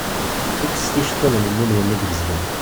Kkset iceṭṭiḍen-nni-nwen ibezgen.